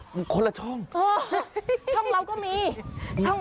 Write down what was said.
เป็นคนละช่อง